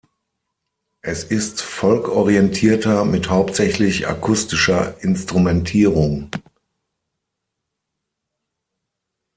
Es ist Folk-orientierter mit hauptsächlich akustischer Instrumentierung.